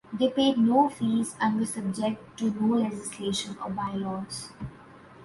They paid no fees and were subject to no legislation or bylaws.